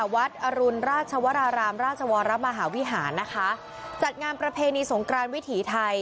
วัดอรุณราชวรารามราชวรมหาวิหารนะคะจัดงานประเพณีสงกรานวิถีไทย